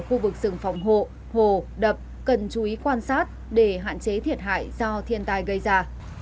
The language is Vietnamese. khu vực rừng phòng hộ hồ đập cần chú ý quan sát để hạn chế thiệt hại do thiên tai gây ra